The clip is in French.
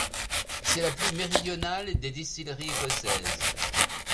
C’est la plus méridionale des distilleries écossaises.